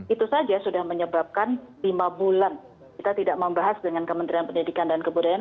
itu saja sudah menyebabkan lima bulan kita tidak membahas dengan kementerian pendidikan dan kebudayaan